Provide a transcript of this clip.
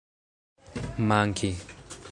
manki